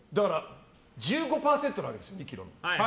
１５％なわけですよ、２ｋｇの。